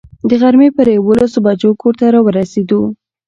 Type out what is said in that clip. د غرمې پر یوولسو بجو کور ته را ورسېدو.